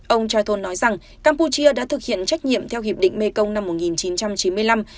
ông charthon nói rằng campuchia đã thực hiện trách nhiệm theo hiệp định mekong năm một nghìn chín trăm chín mươi năm